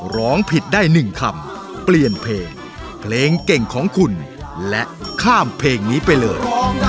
ร้องผิดได้๑คำเปลี่ยนเพลงเพลงเก่งของคุณและข้ามเพลงนี้ไปเลย